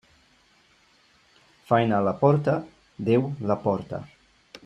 Faena a la porta, Déu la porta.